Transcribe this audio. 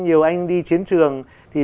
nhiều anh đi chiến trường